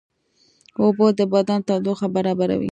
اوبه د بدن تودوخه برابروي